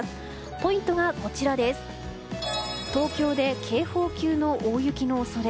ポイントは東京で警報級の大雪の恐れ。